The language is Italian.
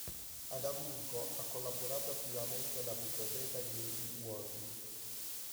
Ad Amburgo ha collaborato attivamente alla biblioteca di Aby Warburg.